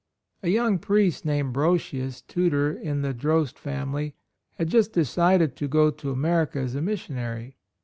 A young priest named Brosius, tutor in the Droste family, had 46 A ROYAL SON just decided to go to America as a missionary.